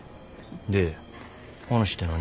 で話って何？